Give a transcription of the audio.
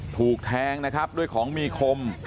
ถูกแทงนะครับด้วยของมีคม